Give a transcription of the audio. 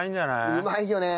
うまいよね。